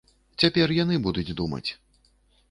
Цяпер яны будуць думаць.